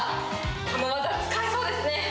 この技、使えそうですね。